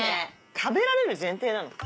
食べられる前提なの？